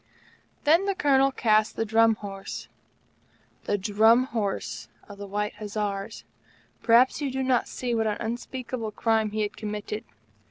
Then the Colonel cast the Drum Horse the Drum Horse of the White Hussars! Perhaps you do not see what an unspeakable crime he had committed.